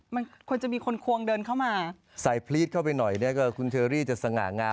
มันควรจะมีคนควงเดินเข้ามาใส่พลีดเข้าไปหน่อยเนี่ยก็คุณเชอรี่จะสง่างาม